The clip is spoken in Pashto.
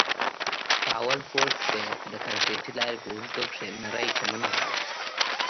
په اول پوړ کښې د کانکريټي لارې په اوږدو کښې نرى چمن ولاړ و.